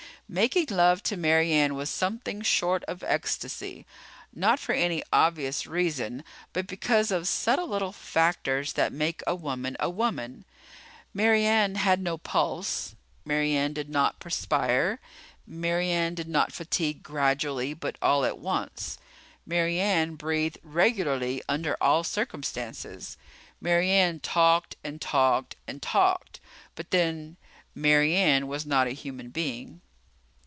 Making love to Mary Ann was something short of ecstasy. Not for any obvious reason, but because of subtle little factors that make a woman a woman. Mary Ann had no pulse. Mary Ann did not perspire. Mary Ann did not fatigue gradually but all at once. Mary Ann breathed regularly under all circumstances. Mary Ann talked and talked and talked. But then, Mary Ann was not a human being.